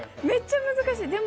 めっちゃ難しい！